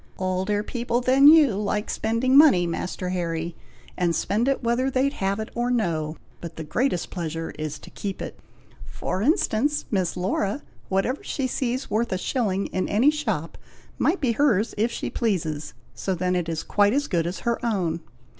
"Older people than you like spending money, Master Harry, and spend whether they have it or no; but the greatest pleasure is to keep it. For instance, Miss Laura, whatever she sees worth a shilling in any shop, might be hers if she pleases; so then it is quite as good as her own.